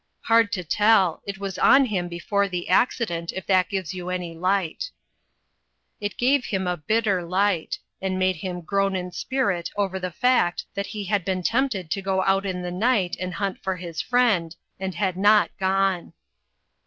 " Hard to tell. It was on him before the accident, if that gives you any light." It gave him bitter light, and made him groan in spirit over the fact that he had been tempted to go out in the night and hunt for his friend, and had not gone.